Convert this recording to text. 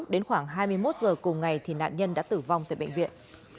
đến khoảng hai mươi một giờ cùng ngày thì nạn nhân đã tử vong tại bệnh viện